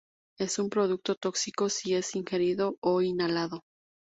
Es un producto tóxico si es ingerido o inhalado.